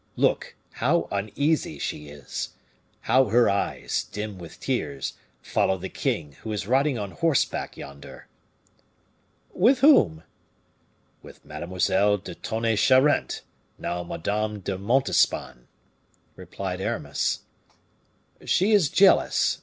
Look, how uneasy she is! How her eyes, dim with tears, follow the king, who is riding on horseback yonder!" "With whom?" "With Mademoiselle de Tonnay Charente, now Madame de Montespan," replied Aramis. "She is jealous.